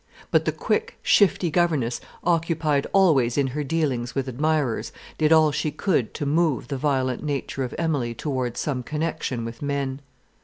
But the quick, shifty governess, occupied always in her dealings with admirers, did all she could to move the violent nature of Emilie towards some connection with men.